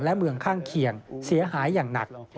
และเมืองข้างเคียงเสียหายอย่างหนัก